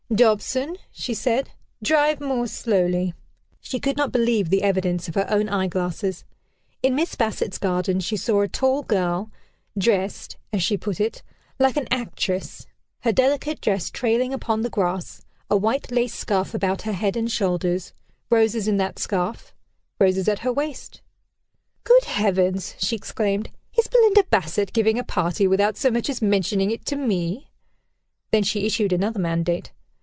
"Dobson," she said, "drive more slowly." She could not believe the evidence of her own eyeglasses. In Miss Bassett's garden she saw a tall girl, "dressed," as she put it, "like an actress," her delicate dress trailing upon the grass, a white lace scarf about her head and shoulders, roses in that scarf, roses at her waist. "Good heavens!" she exclaimed: "is Belinda Bassett giving a party, without so much as mentioning it to me?" Then she issued another mandate.